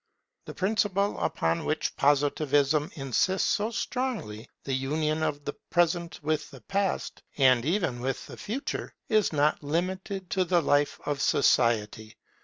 The principle upon which Positivism insists so strongly, the union of the Present with the Past, and even with the Future, is not limited to the life of Society.